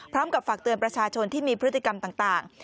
ฝากเตือนประชาชนที่มีพฤติกรรมต่าง